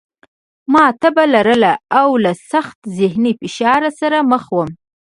ما تبه لرله او له سخت ذهني فشار سره مخ وم